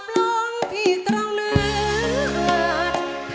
หน่อยสู้